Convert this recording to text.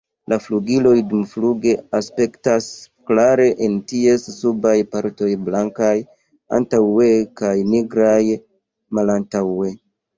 La flugiloj dumfluge aspektas klare en ties subaj partoj blankaj antaŭe kaj nigraj malantaŭe.